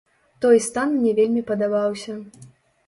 Той стан мне вельмі падабаўся.